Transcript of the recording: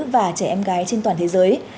và trẻ em gái trên toàn thế giới